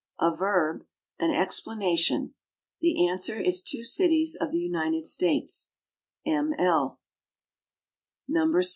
A verb. An explanation. The answer is two cities of the United States. M. L.